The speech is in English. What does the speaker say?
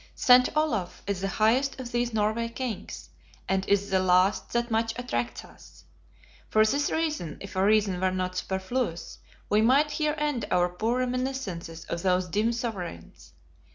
St. Olaf is the highest of these Norway Kings, and is the last that much attracts us. For this reason, if a reason were not superfluous, we might here end our poor reminiscences of those dim Sovereigns.